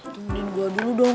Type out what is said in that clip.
tungguin gue dulu dong